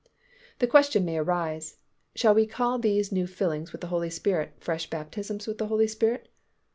The question may arise, "Shall we call these new fillings with the Holy Spirit 'fresh baptisms' with the Holy Spirit?"